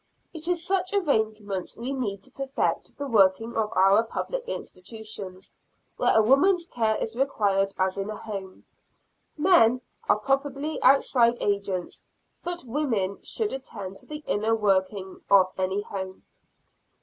It is such arrangements we need to perfect the working of our public institutions, where a woman's care is required as in a home. Men are properly the outside agents, but women should attend to the inner working of any home.